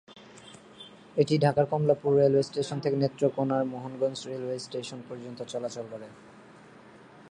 এটি ঢাকার Kamalapur railway station থেকে নেত্রকোণার মোহনগঞ্জ রেলওয়ে স্টেশন পর্যন্ত চলাচল করে।